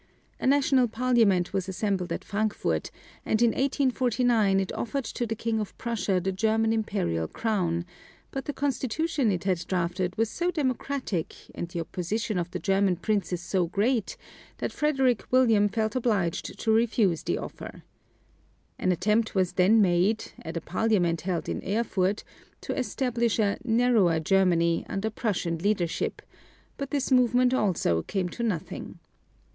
A national Parliament was assembled at Frankfort, and in 1849 it offered to the King of Prussia the German imperial crown; but the constitution it had drafted was so democratic, and the opposition of the German princes so great, that Frederick William felt obliged to refuse the offer. An attempt was then made, at a Parliament held in Erfurt, to establish a "narrower Germany" under Prussian leadership; but this movement also came to nothing.